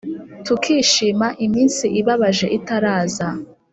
Tukishima iminsi ibabaje itaraza